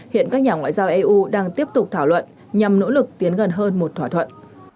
hiện các nhà ngoại giao eu đang tiếp tục thảo luận nhằm nỗ lực tiến gần hơn một thỏa thuận